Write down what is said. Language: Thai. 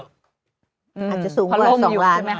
อาจจะสูงกว่า๒ล้านไหมค